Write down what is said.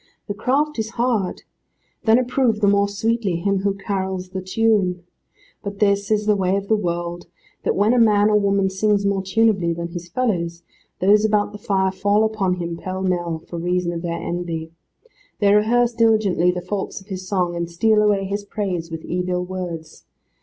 The craft is hard then approve the more sweetly him who carols the tune. But this is the way of the world, that when a man or woman sings more tunably than his fellows, those about the fire fall upon him, pell mell, for reason of their envy. They rehearse diligently the faults of his song, and steal away his praise with evil words.